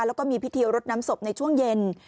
แล้วก็มีพิธีรดน้ำศพในช่วงเย็น